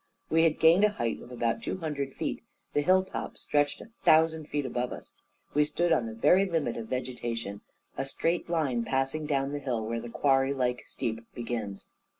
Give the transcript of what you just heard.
We had gained a height of about two hundred feet, the hill top stretched a thousand feet above us. We stood on the very limit of vegetation, a straight line passing clown the hill where the quarry like steep begins.